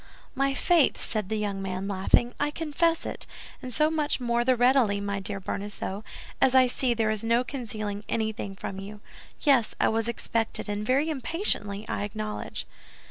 "My faith!" said the young man, laughing, "I confess it, and so much more the readily, my dear Bonacieux, as I see there is no concealing anything from you. Yes, I was expected, and very impatiently, I acknowledge."